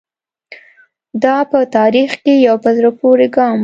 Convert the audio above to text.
دا په تاریخ کې یو په زړه پورې ګام و.